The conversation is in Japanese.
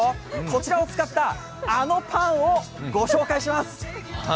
こちらを使った、あのパンをご紹介します！